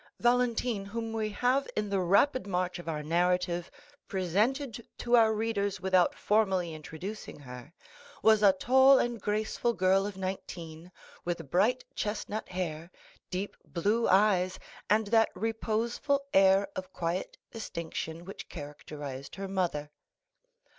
Valentine, whom we have in the rapid march of our narrative presented to our readers without formally introducing her, was a tall and graceful girl of nineteen, with bright chestnut hair, deep blue eyes, and that reposeful air of quiet distinction which characterized her mother.